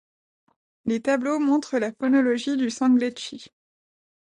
Les tableaux montrent la phonologie du sangletchi.